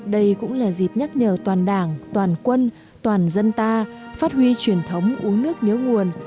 đây cũng là dịp nhắc nhở toàn đảng toàn quân toàn dân ta phát huy truyền thống uống nước nhớ nguồn